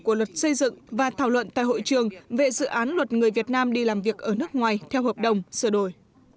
của luật xây dựng và thảo luận tại hội trường về dự án luật người việt nam đi làm việc ở nước ngoài theo hợp đồng sửa đổi